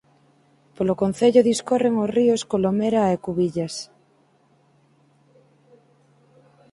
Polo concello discorren os ríos Colomera e Cubillas.